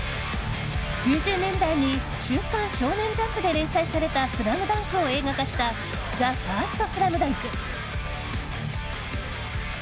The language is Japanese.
９０年代に「週刊少年ジャンプ」で連載された「ＳＬＡＭＤＵＮＫ」を映画化した「ＴＨＥＦＩＲＳＴＳＬＡＭＤＵＮＫ」。